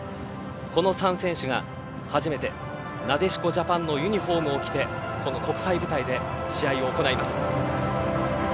この３選手が初めてなでしこジャパンのユニホームを着てこの国際舞台で試合を行います。